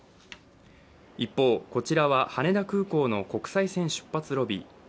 一方、こちらは羽田空港の国際線出発ロビー。